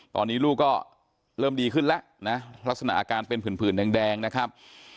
ตอนนี้ลูกก็เริ่มดีขึ้นแล้วนะลักษณะอาการเป็นผื่นแดงนะครับ